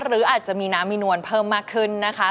หรืออาจจะมีน้ำมีนวลเพิ่มมากขึ้นนะคะ